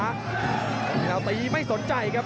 กล้องชิงดาวน์ตีไม่สนใจครับ